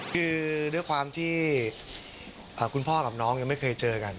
คือด้วยความที่คุณพ่อกับน้องยังไม่เคยเจอกัน